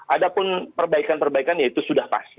ada pun perbaikan perbaikan ya itu sudah pasti